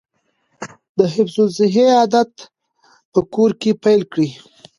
د حفظ الصحې عادات په کور کې پیل کیږي.